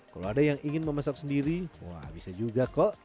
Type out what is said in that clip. kalau ada yang ingin memasak sendiri wah bisa juga kok